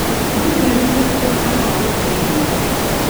Mpulira ebintu ebiwoggana wabweru eyo.